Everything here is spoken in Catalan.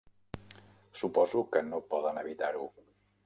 Suposo que no poden evitar-ho.